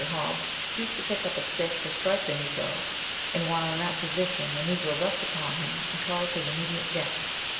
Hobbs stooped to pick up a stick to strike the Negro, and, while in that position, the Negro rushed upon him, and caused his immediate death.